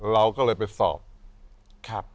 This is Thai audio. เราก็เลยไปสอบ